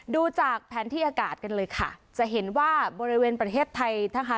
ดูจากแผนที่อากาศกันเลยค่ะจะเห็นว่าบริเวณประเทศไทยนะคะ